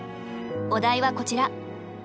お題はこちら。